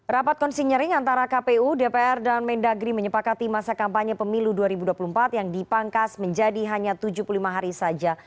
rapat konsinyering antara kpu dpr dan mendagri menyepakati masa kampanye pemilu dua ribu dua puluh empat yang dipangkas menjadi hanya tujuh puluh lima hari saja